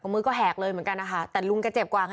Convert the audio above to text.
มือก็แหกเลยเหมือนกันนะคะแต่ลุงแกเจ็บกว่าไง